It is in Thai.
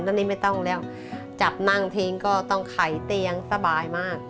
ตอนนี้ไม่ต้องแล้วจับนั่งทิ้งก็ต้องไขเตียงสบายมาก